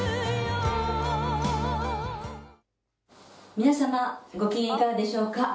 皆様ごきげんいかがでしょうか。